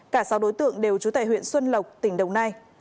cả sáu đối tượng đều trú tại huyện xuân lộc tỉnh đồng nai